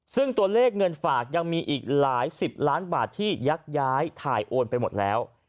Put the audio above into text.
ซึ่งตัวเลขเงินฝากยังมีอีกหลายสิบล้านบาทที่ยักย้ายถ่ายโอนไปหมดแล้ว